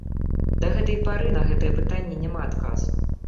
Да гэтай пары на гэтае пытанне няма адказу.